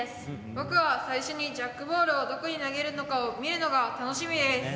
僕は最初のどこにジャックボールをどこに投げるか見るのが楽しみです。